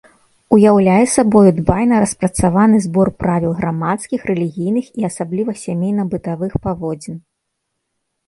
Уяўляе сабою дбайна распрацаваны збор правіл грамадскіх, рэлігійных і асабліва сямейна-бытавых паводзін.